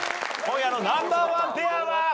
今夜のナンバーワンペアは！